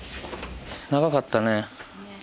長かったね。